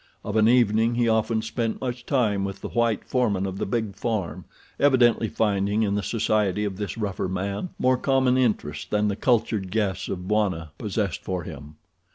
Of an evening he often spent much time with the white foreman of the big farm, evidently finding in the society of this rougher man more common interests than the cultured guests of Bwana possessed for him.